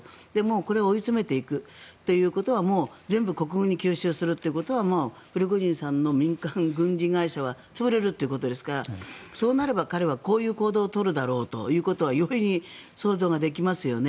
これを追い詰めていくということは全部国軍に吸収するということはプリゴジンさんの民間軍事会社は潰れるということですからそうなれば彼は、こういう行動を取るだろうということは容易に想像ができますよね。